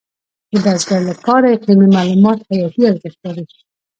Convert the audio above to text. د بزګر لپاره اقلیمي معلومات حیاتي ارزښت لري.